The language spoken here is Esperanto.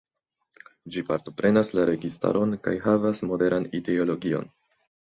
Ĝi partoprenas la registaron kaj havas moderan ideologion.